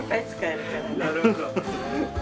なるほど。